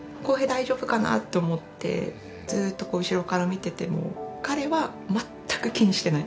大丈夫かな？って思ってずっと後ろから見ていても彼は全く気にしていない。